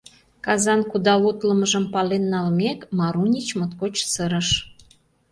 Казан кудал утлымыжым пален налмек, Марунич моткоч сырыш.